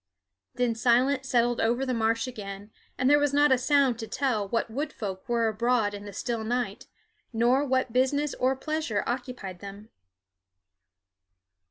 Then silence settled over the marsh again, and there was not a sound to tell what Wood Folk were abroad in the still night, nor what business or pleasure occupied them.